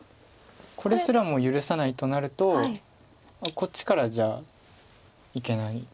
これすらも許さないとなるとこっちからじゃいけない。